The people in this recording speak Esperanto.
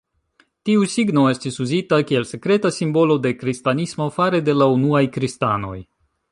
Tiu signo estis uzita kiel sekreta simbolo de Kristanismo fare de la unuaj kristanoj.